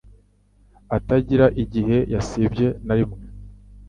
Atagira igihe yasibye na rimwe